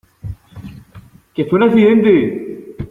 que fue un accidente.